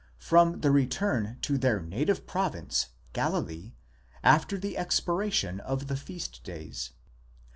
from the return to their native province Galilee, after the expiration of the feast days.